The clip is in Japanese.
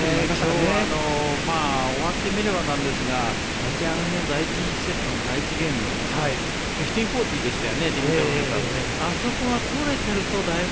今日は終わってみればなんですが立ち上がりの第１セットの第１ゲーム１５−４０でしたよね。